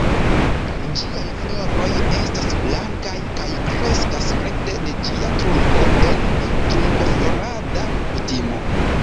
Ĝiaj floroj estas blankaj kaj kreskas rekte de ĝia trunko en trunkoflorada kutimo.